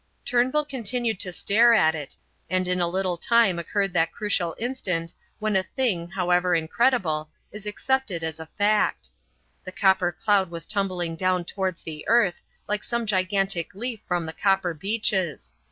Turnbull continued to stare at it, and in a little time occurred that crucial instant when a thing, however incredible, is accepted as a fact. The copper cloud was tumbling down towards the earth, like some gigantic leaf from the copper beeches.